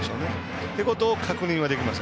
そういうことを確認できます